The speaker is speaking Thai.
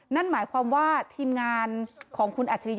นั่นหมายความว่าทีมงานของคุณอัจฉริย